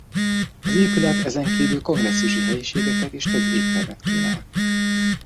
Az épület ezen kívül kongresszusi helyiségeket és több éttermet kínál.